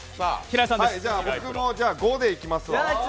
僕も５でいきますわ。